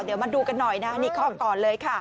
เดี๋ยวมาดูกันหน่อยนะนี่ข้อก่อนเลยค่ะ